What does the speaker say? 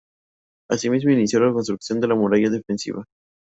Asimismo, inició la construcción de la muralla defensiva.